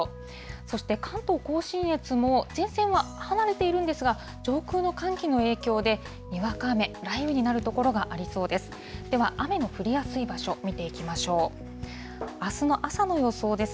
そして関東甲信越も前線は離れているんですが、上空の寒気の影響で、にわか雨、雷雨になる所がありそうです。